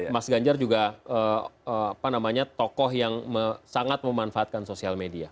mas ganjar juga tokoh yang sangat memanfaatkan sosial media